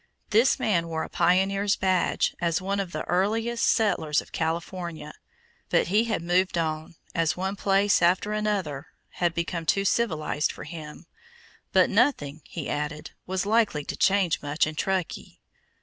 This man wore a pioneer's badge as one of the earliest settlers of California, but he had moved on as one place after another had become too civilized for him, "but nothing," he added, "was likely to change much in Truckee."